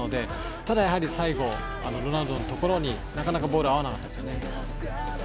ただ、最後、ロナウドのところになかなかボール、合わなかったですね。